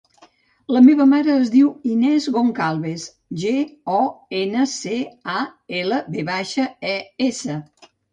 La meva mare es diu Inès Goncalves: ge, o, ena, ce, a, ela, ve baixa, e, essa.